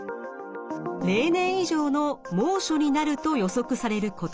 例年以上の猛暑になると予測される今年。